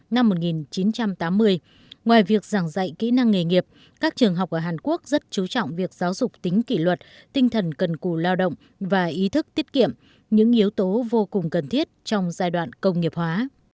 năm một nghìn chín trăm tám mươi ngoài việc giảng dạy kỹ năng nghề nghiệp các trường học ở hàn quốc rất chú trọng việc giáo dục tính kỷ luật tinh thần cần cù lao động và ý thức tiết kiệm những yếu tố vô cùng cần thiết trong giai đoạn công nghiệp hóa